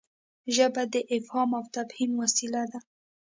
ژبه د افهام او تفهيم وسیله ده.